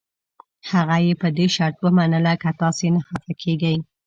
هغه یې په دې شرط ومنله که تاسي نه خفه کېږئ.